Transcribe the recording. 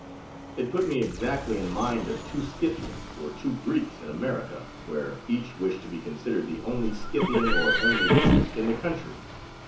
It put me exactly in mind of two Scythians or two Greeks in America, where each wished to be considered the only Scythian or only Greek in the country.